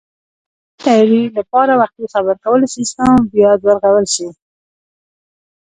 د زلزلې تیاري لپاره وختي خبرکولو سیستم بیاد ورغول شي